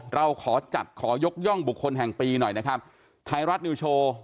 เราขอจัดขอยกย่องบุคคลแห่งปีหน่อยนะครับไทยรัฐนิวโชว์